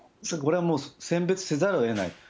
これはもう選別せざるをえない。